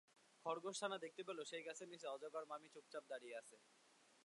খরগোশছানা দেখতে পেল, সেই গাছের নিচে অজগর মামি চুপচাপ দাঁড়িয়ে আছে।